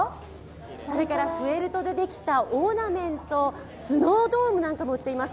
それからフェルトでできたオーナメント、スノードームなんかも売っています。